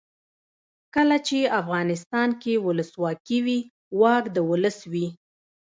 کله چې افغانستان کې ولسواکي وي واک د ولس وي.